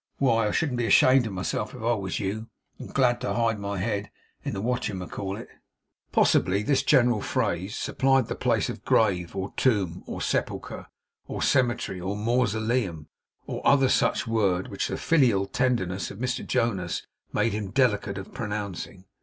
Why, I should be ashamed of myself if I was you, and glad to hide my head in the what you may call it.' Possibly this general phrase supplied the place of grave, or tomb, or sepulchre, or cemetery, or mausoleum, or other such word which the filial tenderness of Mr Jonas made him delicate of pronouncing.